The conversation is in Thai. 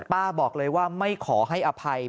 ป้าบอกเลยว่าไม่ขอให้อภัย